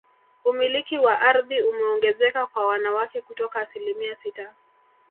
Umiliki wa ardhi umeongezeka kwa wanawake kutoka asilimia sita